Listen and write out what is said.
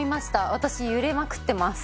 私揺れまくってます。